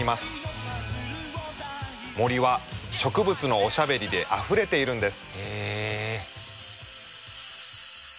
森は植物のおしゃべりであふれているんです。